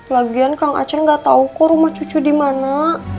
lagian kang aceh gak tahu kok rumah cucu di mana